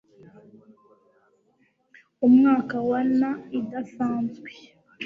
Umwaka wa n Idasanzwe